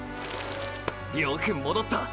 よく戻った！！